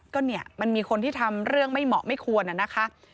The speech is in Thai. ก็เนี่ยมันมีคนที่ทำเรื่องไม่เหมาะไม่ควรนะคะ